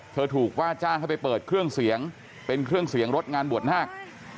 ถูกว่าจ้างให้ไปเปิดเครื่องเสียงเป็นเครื่องเสียงรถงานบวชนาค